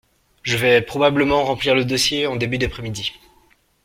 Je vais probablement remplir le dossier en début d'après-midi.